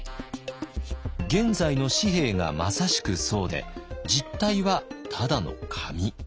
現在の紙幣がまさしくそうで実体はただの紙。